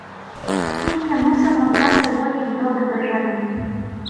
— Тільки мусимо взяти воїв добру дружину.